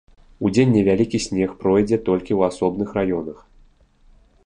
Удзень невялікі снег пройдзе толькі ў асобных раёнах.